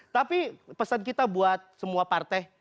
tapi pesan kita buat semua partai